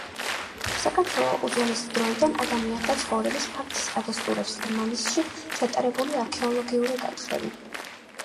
საქართველო უძველესი დროიდან ადამიანთა ცხოვრების ფაქტს ადასტურებს დმანისში ჩატარებული არქეოლოგიური გათხრები